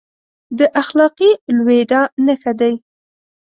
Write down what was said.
د اخلاقي لوېدا نښه دی.